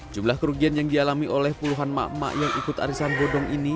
jumlah kerugian yang dialami oleh puluhan emak emak yang ikut arisan bodong ini